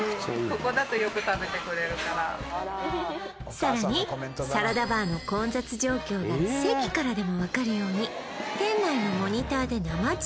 さらにサラダバーの混雑状況が席からでも分かるように店内のモニターで生中